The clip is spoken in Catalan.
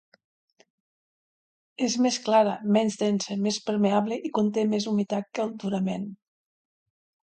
És més clara, menys densa, més permeable i conté més humitat que el duramen.